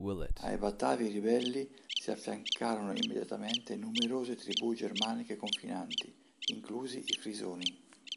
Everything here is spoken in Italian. Ai Batavi ribelli si affiancarono immediatamente numerose tribù germaniche confinanti, inclusi i Frisoni.